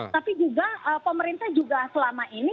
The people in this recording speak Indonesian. tapi juga pemerintah juga selama ini